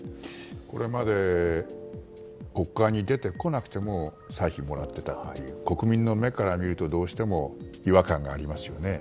これまで国会に出てこなくても歳費をもらっていたり国民の目から見ると、どうしても違和感がありますよね。